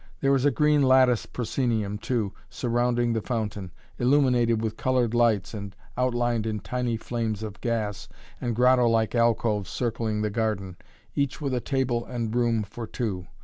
There is a green lattice proscenium, too, surrounding the fountain, illuminated with colored lights and outlined in tiny flames of gas, and grotto like alcoves circling the garden, each with a table and room for two.